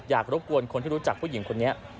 รบกวนคนที่รู้จักผู้หญิงคนนี้